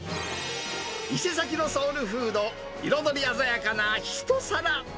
伊勢崎のソウルフード、彩り鮮やかな一皿。